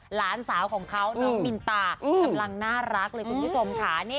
หลานสาวของเขาน้องมินตากำลังน่ารักเลยคุณผู้ชมค่ะ